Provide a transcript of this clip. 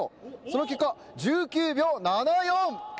その結果１９秒７４！